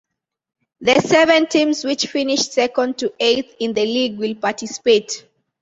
The seven teams which finished second to eighth in the league will participate.